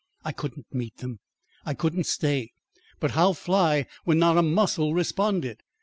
I couldn't meet them; I couldn't stay; but how fly when not a muscle responded.